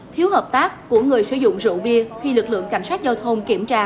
thiếu hợp tác của người sử dụng rượu bia khi lực lượng cảnh sát giao thông kiểm tra